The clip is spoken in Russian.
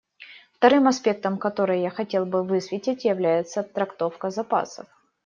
Вторым аспектом, который я хотел бы высветить, является трактовка запасов.